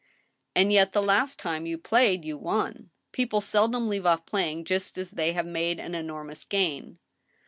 " And yet, the last time you played you won. People seldom leave off playing just as they have made an enormous gain."